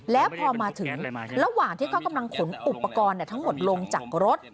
แล้วพอมาถึงระหว่างที่เขากำลังขนอุปกรณ์ทั้งหมดลงจากรถ